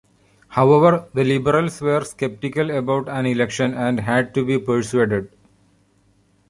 However the Liberals were sceptical about an election and had to be persuaded.